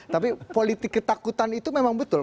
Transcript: tapi politik ketakutan itu memang betul